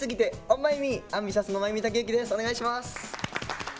お願いします。